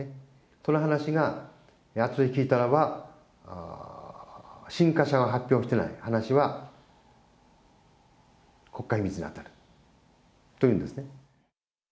その話が後で聞いたらば、新華社が発表してない話は国家秘密に当たるというんですね。